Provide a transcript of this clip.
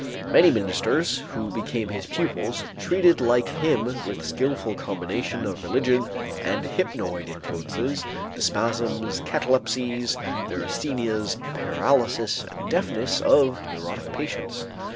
Many ministers who became his pupils treated like him with skillful combination of religion and hypnoid influences the spasms, catalepsies, neurasthenias, paralysis, and deafness, of neurotic patients.